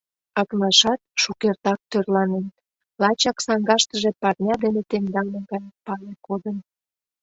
Акнашат шукертак тӧрланен, лачак саҥгаштыже парня дене темдалме гае пале кодын.